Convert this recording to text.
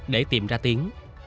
để tìm ra tiến